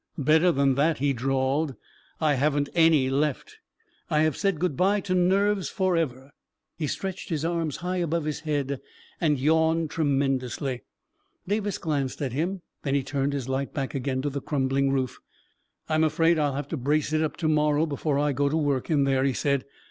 " Better than that !" he drawled. " I haven't any left. I have said good by to nerves forever I " A KING IN BABYLON 3*5 He stretched his arms high above his head and yawned tremendously. Davis glanced at him, then he turned his light back again to the crumbling roof. " I'm afraid I'll have to brace it up to morrow, before I go to work in there," he said.